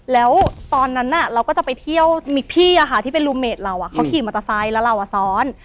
แล้วตอนนั้นเราก็จะไปเที่ยวมีพี่ที่เป็นลูเมดเราเขาขี่มอเตอร์ไซค์แล้วเราซ้อน